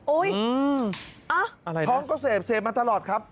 อุ๊ยท้องก็เซฟเซฟมาตลอดครับ